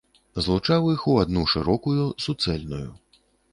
Злучаў іх у адну шырокую, суцэльную.